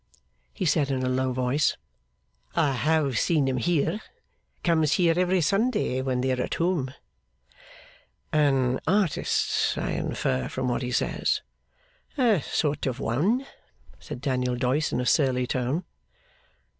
he said in a low voice. 'I have seen him here. Comes here every Sunday when they are at home.' 'An artist, I infer from what he says?' 'A sort of a one,' said Daniel Doyce, in a surly tone.